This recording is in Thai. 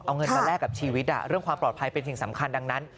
เอาเงินมาแลกกับชีวิตเรื่องความปลอดภัยเป็นสิ่งสำคัญดังนั้น